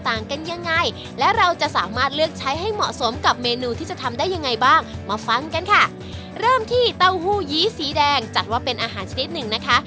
เต้าหู้ยีสีแดงจัดว่าเป็นอาหารชนิดหนึ่งนะคะ